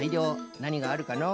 なにがあるかのう？